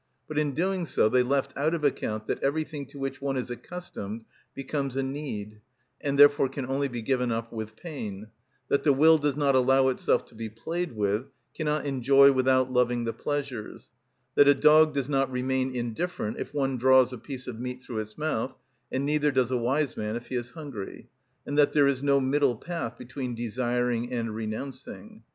But in doing so they left out of account that everything to which one is accustomed becomes a need, and therefore can only be given up with pain; that the will does not allow itself to be played with, cannot enjoy without loving the pleasures; that a dog does not remain indifferent if one draws a piece of meat through its mouth, and neither does a wise man if he is hungry; and that there is no middle path between desiring and renouncing.